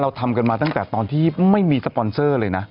ทำกันมาตั้งแต่ตอนที่ไม่มีสปอนเซอร์เลยนะ